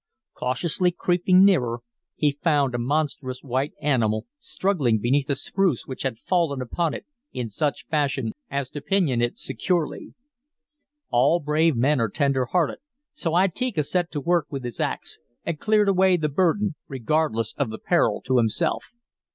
Cautiously creeping nearer, he found a monstrous white animal struggling beneath a spruce which had fallen upon it in such fashion as to pinion it securely. "All brave men are tender hearted, so Itika set to work with his axe and cleared away the burden, regardless of the peril to himself.